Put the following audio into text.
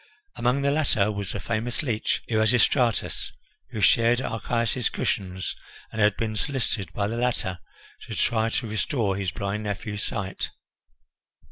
Among the latter was the famous leech Erasistratus, who shared Archias's cushions, and had been solicited by the latter to try to restore his blind nephew's sight.